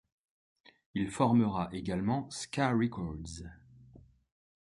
Il formera également Ska Records.